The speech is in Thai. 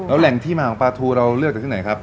แล้วแหล่งที่มาของปลาทูเราเลือกจากที่ไหนครับ